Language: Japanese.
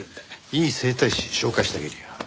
いい整体師紹介してあげるよ。